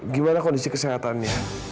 gimana kondisi kesehatannya